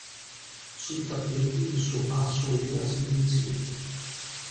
Sui tappeti il suo passo era silenzioso.